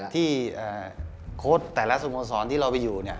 ที่โค้ชแต่ละสมสรรค์ที่เราไปอยู่เนี่ย